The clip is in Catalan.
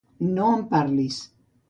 No em parlis.